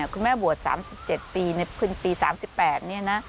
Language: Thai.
คุณแม่บวช๓๗ปีในปี๓๘นี่นะ